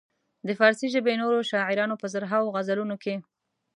د فارسي ژبې نورو شاعرانو په زرهاوو غزلونو کې.